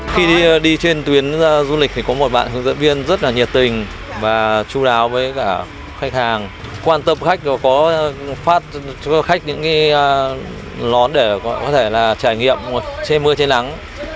khi đi trên tuyến du lịch thì có một bạn hướng dẫn viên rất là nhiệt tình và chú đáo với cả khách hàng quan tâm khách có phát cho khách những lón để có thể là trải nghiệm trên mưa trên nắng